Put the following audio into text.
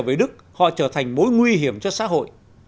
với đức họ trở thành mối nguy hiểm cho xã hội